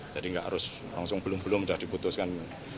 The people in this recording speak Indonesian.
jadi nggak harus langsung belum belum sudah diputuskan